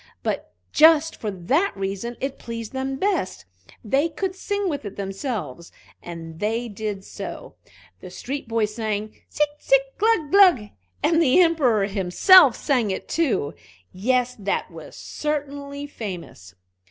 But just for that reason it pleased them best they could sing with it themselves, and they did so. The street boys sang, "Tsi tsi tsi glug glug!" and the Emperor himself sang it too. Yes, that was certainly famous.